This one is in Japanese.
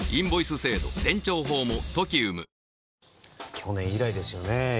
去年以来ですよね。